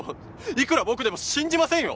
いくら僕でも信じませんよ！